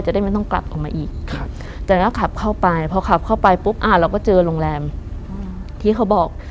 ได้ไม่ต้องกลับออกมาอีกแต่ก็ขับเข้าไปพอขับเข้าไปปุ๊บอ่าเราก็เจอโรงแรมที่เขาบอก